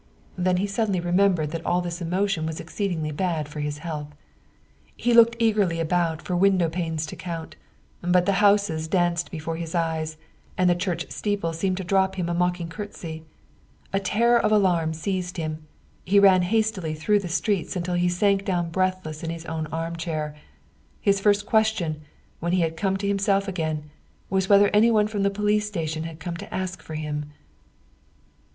Then he suddenly remembered that all this emotion was exceedingly bad for his health. He looked eagerly about for window panes to count, but the houses danced before his eyes, and the church steeple seemed to drop him a mock ing courtesy. A terror of alarm seized him ; he ran hastily through the streets until he sank down breathless in his own armchair. His first question, when he had come to himself again, was whether anyone from the police station had come to ask for him.